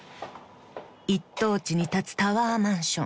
［一等地に立つタワーマンション］